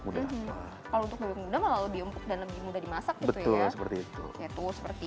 muda kalau untuk bebek muda malah lebih empuk dan lebih mudah dimasak betul seperti itu itu seperti